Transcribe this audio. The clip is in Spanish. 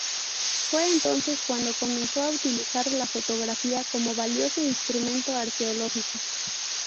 Fue entonces cuando comenzó a utilizar la fotografía como valioso instrumento arqueológico.